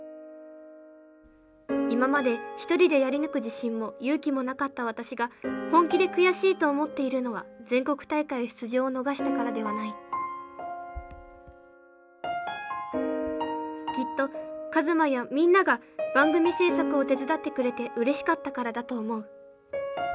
今まで一人でやり抜く自信も勇気もなかった私が本気で悔しいと思っているのは全国大会出場を逃したからではないきっとカズマやみんなが番組制作を手伝ってくれてうれしかったからだと思う。